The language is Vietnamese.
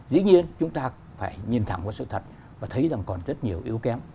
dĩ nhiên chúng ta phải nhìn thẳng qua sự thật và thấy rằng còn rất nhiều yếu kém